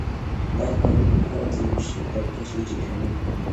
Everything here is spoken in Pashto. دا کارونه فرد د یوه شي تر کچې ټیټوي.